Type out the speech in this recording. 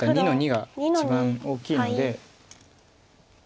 ２の二が一番大きいので。